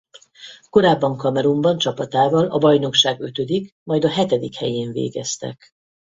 Korábban Kamerunban csapatával a bajnokság ötödik majd a hetedik helyén végeztek.